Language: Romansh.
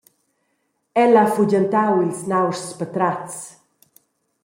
El ha fugentau ils nauschs patratgs.